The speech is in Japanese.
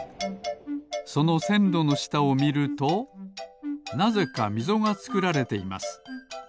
そのせんろのしたをみるとなぜかみぞがつくられています。